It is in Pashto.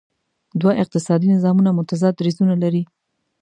دوه اقتصادي نظامونه متضاد دریځونه لري.